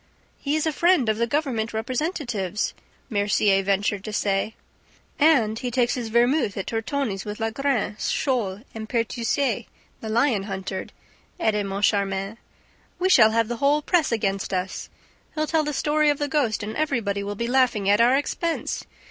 "He is a friend of the government representative's!" Mercier ventured to say. "And he takes his vermouth at Tortoni's with Lagrene, Scholl and Pertuiset, the lion hunter," added Moncharmin. "We shall have the whole press against us! He'll tell the story of the ghost; and everybody will be laughing at our expense!